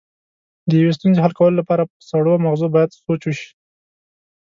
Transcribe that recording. د یوې ستونزې حل کولو لپاره په سړو مغزو باید سوچ وشي.